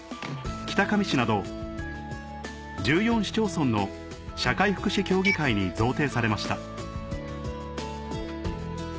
北上市など１４市町村の社会福祉協議会に贈呈されました